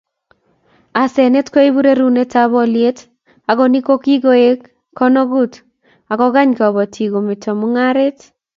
Asenet koibu rerunetab olyet ako ni kokigoek konogut akokanya Kobotik kometo mungaret